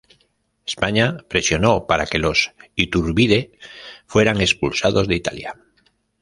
España presionó para que los Iturbide fueran expulsados de Italia.